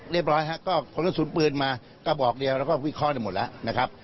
เรียบร้อยครับก็คุณสุดปืนมาก็บอกเรียกแล้วก็วิเคราะห์ได้หมดแล้วนะครับ